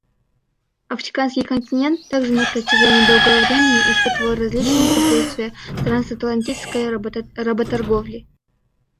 Африканский континент также на протяжении долгого времени испытывал различные последствия трансатлантической работорговли.